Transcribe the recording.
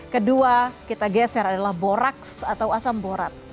kedua kita geser adalah boraks atau asam borat